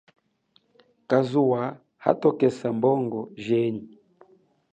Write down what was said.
Kazuwa hatokesa bongo jenyi.